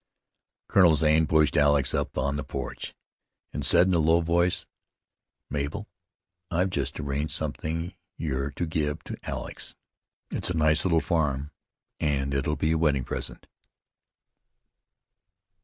Colonel Zane pushed Alex up on the porch, and said in a low voice: "Mabel, I've just arranged something you're to give Alex. It's a nice little farm, and it'll be a wedding present."